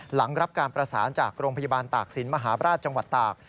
หลังรับการประสานจากโรงพยาบาลตากศิลปมหาบราชจังหวัดตาก